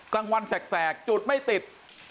กลางวันแสกจุดไม่ติด